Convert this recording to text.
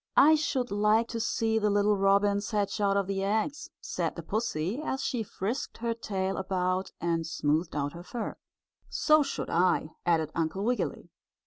"I should like to see the little robins hatch out of the eggs," said the pussy, as she frisked her tail about and smoothed out her fur. "So should I," added Uncle Wiggily.